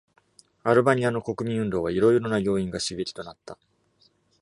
アルバニアの国民運動は、いろいろな要因が刺激となった。